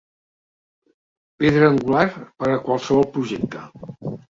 Pedra angular per a qualsevol projecte.